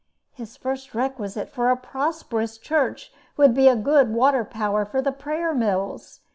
His first requisite for a prosperous church would be a good water power for prayer mills.